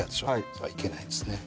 それはいけないんですね。